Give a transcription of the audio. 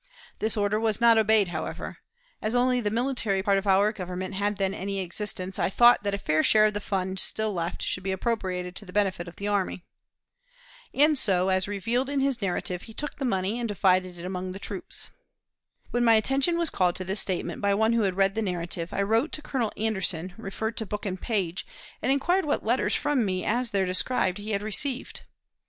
This order was not obeyed, however. As only the military part of our Government had then any existence, I thought that a fair share of the fund still left should be appropriated to the benefit of the army." And so, as revealed in his "Narrative," he took the money, and divided it among the troops. When my attention was called to this statement by one who had read the "Narrative," I wrote to Colonel Anderson, referred to book and page, and inquired what letters from me as there described he had received.